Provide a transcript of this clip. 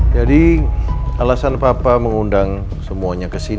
jadi alasan papa mengundang semuanya kesini